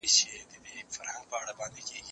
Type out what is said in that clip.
زه به اوږده موده سينه سپين کړی وم،